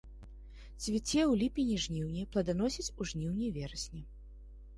Цвіце ў ліпені-жніўні, пладаносіць у жніўні-верасні.